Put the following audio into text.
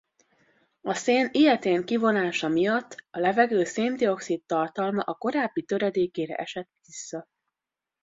A szén ilyetén kivonása miatt a levegő széndioxid-tartalma a korábbi töredékére esett vissza.